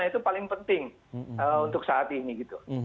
itu paling penting untuk saat ini gitu